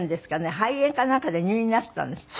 肺炎かなんかで入院なすったんですって？